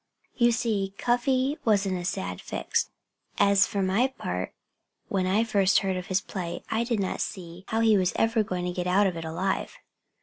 You see, Cuffy Bear was in a sad fix. And for my part, when I first heard of his plight I did not see how he was ever going to get out of it alive.